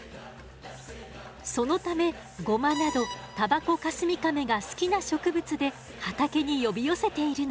そのためゴマなどタバコカスミカメが好きな植物で畑に呼び寄せているの。